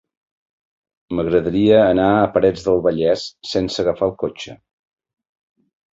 M'agradaria anar a Parets del Vallès sense agafar el cotxe.